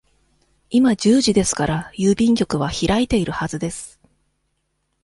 今十時ですから、郵便局は開いているはずです。